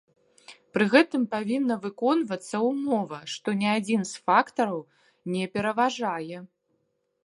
Пры гэтым павінна выконвацца ўмова, што ні адзін з фактараў не пераважвае.